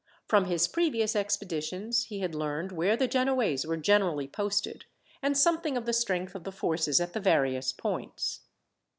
From his previous expeditions he had learned where the Genoese were generally posted, and something of the strength of the forces at the various points.